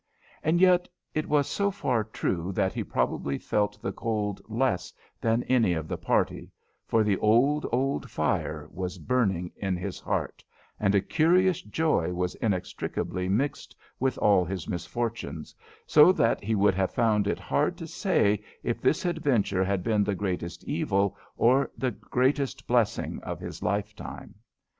And yet it was so far true that he probably felt the cold less than any of the party, for the old, old fire was burning in his heart, and a curious joy was inextricably mixed with all his misfortunes, so that he would have found it hard to say if this adventure had been the greatest evil or the greatest blessing of his lifetime.